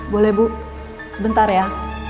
boleh bu sebentar ya